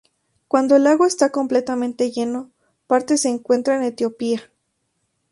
Cuando el lago está completamente lleno parte se encuentra en Etiopía.